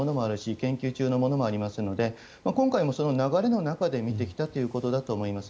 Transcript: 研究中のものもありますので今回も、その流れの中で見てきたということだと思います。